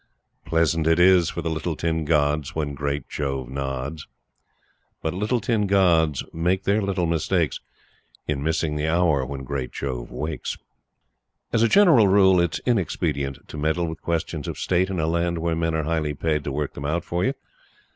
Pleasant it is for the Little Tin Gods, When great Jove nods; But Little Tin Gods make their little mistakes In missing the hour when great Jove wakes. As a general rule, it is inexpedient to meddle with questions of State in a land where men are highly paid to work them out for you.